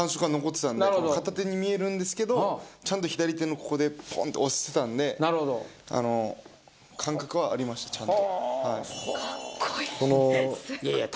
片手に見えるんですけどちゃんと左手のここでポンッて押してたんで感覚はありましたちゃんと。